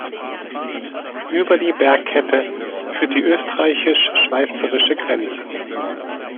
Über die Bergkette führt die österreichisch-schweizerische Grenze.